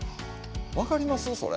分かりますそれ？